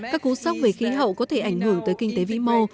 các cú sốc về khí hậu có thể ảnh hưởng tới kinh tế vĩ mô